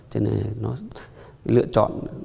cho nên nó lựa chọn